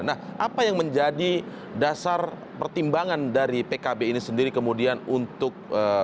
nah apa yang menjadi dasar pertimbangan dari pkb ini sendiri kemudian untuk